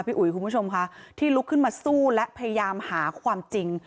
อุ๋ยคุณผู้ชมค่ะที่ลุกขึ้นมาสู้และพยายามหาความจริง